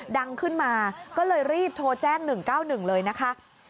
ดังขึ้นมาก็เลยรีบโทรแจ้ง๑๙๑เลยนะคะ